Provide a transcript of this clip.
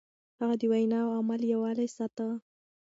هغه د وينا او عمل يووالی ساته.